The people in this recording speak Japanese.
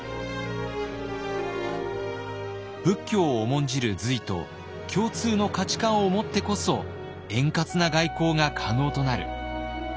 仏教を重んじる隋と共通の価値観を持ってこそ円滑な外交が可能となる。